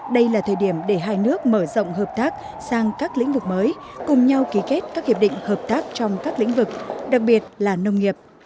đây là thời điểm để hai nước mở rộng hợp tác sang các lĩnh vực mới cùng nhau ký kết các hiệp định hợp tác trong các lĩnh vực đặc biệt là nông nghiệp